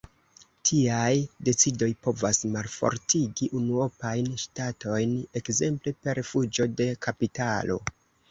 Tiaj decidoj povas malfortigi unuopajn ŝtatojn, ekzemple per fuĝo de kapitalo.